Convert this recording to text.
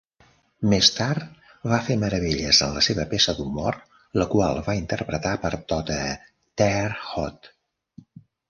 Més tard va fer meravelles en la seva peça d'humor, la qual va interpretar per tota Terre Haute.